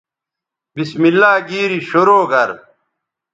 بسم اللہ گیری شرو گر